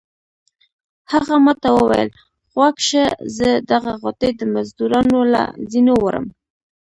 هغه ما ته وویل غوږ شه زه دغه غوټې د مزدورانو له زینو وړم.